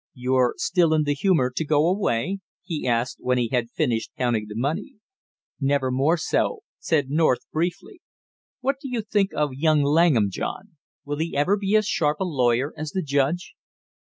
"You're still in the humor to go away?" he asked, when he had finished counting the money. "Never more so!" said North briefly. "What do you think of young Langham, John? Will he ever be as sharp a lawyer as the judge?"